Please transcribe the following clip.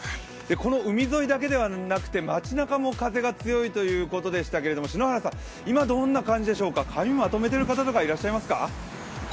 この海沿いだけではなくて街なかも風が強いということですけれど篠原さん、今どんな感じでしょうか、髪まとめている方とかいらっしゃいますか？